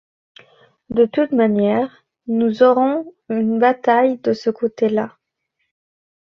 De toute manière, nous aurons une bataille de ce côté-là.